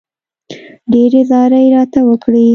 ډېرې زارۍ راته وکړې.